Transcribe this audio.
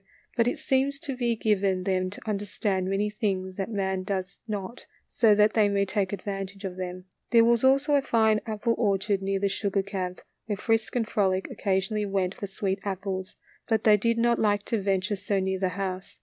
But it seems to be given them to understand many things that man does not, so that they may take advantage of them. There was also a fine apple orchard near the sugar camp, where Frisk and Frolic oc casionally went for sweet apples ; but they did not like to venture so near the house.